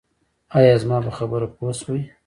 ایا زما په خبره پوه شوئ؟